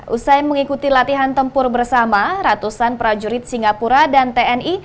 usai mengikuti latihan tempur bersama ratusan prajurit singapura dan tni